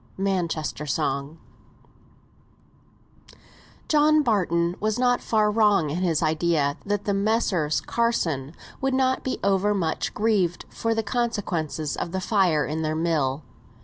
'" MANCHESTER SONG. John Barton was not far wrong in his idea that the Messrs. Carson would not be over much grieved for the consequences of the fire in their mill.